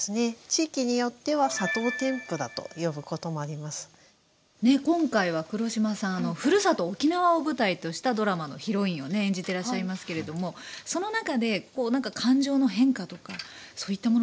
地域によっては今回は黒島さんふるさと沖縄を舞台としたドラマのヒロインをね演じてらっしゃいますけれどもその中で感情の変化とかそういったものって生まれました？